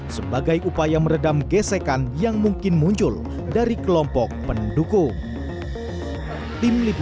sebagai upaya meredam gesekan yang mungkin muncul dari kelompok pendukung